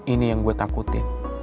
ini yang gue takutin